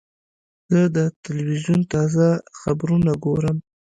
زه د تلویزیون تازه خبرونه ګورم.